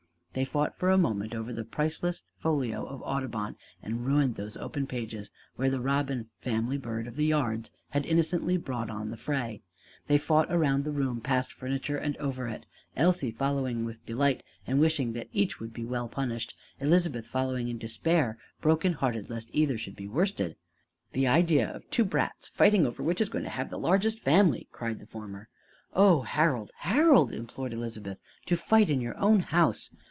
They fought for a moment over the priceless folio of Audubon and ruined those open pages where the robin, family bird of the yards, had innocently brought on the fray. They fought round the room, past furniture and over it: Elsie following with delight and wishing that each would be well punished; Elizabeth following in despair, broken hearted lest either should be worsted. "The idea of two brats fighting over which is going to have the largest family!" cried the former. "Oh, Harold, Harold, Harold!" implored Elizabeth. "To fight in your own house!"